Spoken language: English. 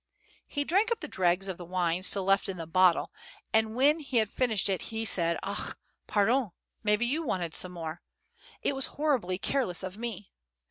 He drank up the dregs of the wine still left in the bottle, and when he had finished it he said: "AKH! PARDON, maybe you wanted some more. It was horribly careless of me.